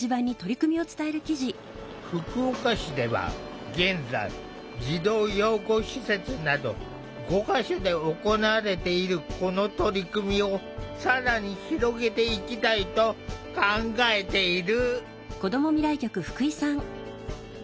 福岡市では現在児童養護施設など５か所で行われているこの取り組みを更に広げていきたいと考えている。